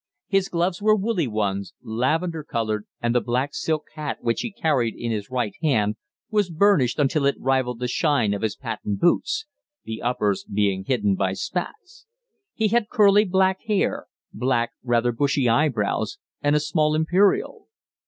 His gloves were woolly ones, lavender coloured, and the black silk hat which he carried in his right hand was burnished until it rivalled the shine of his patent boots the "uppers" being hidden by spats. He had curly, black hair; black, rather bushy eyebrows; and a small imperial.